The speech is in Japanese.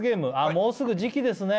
もうすぐ時期ですね